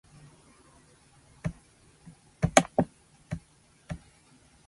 新しいパソコンが欲しいが、値段が高くてなかなか買えない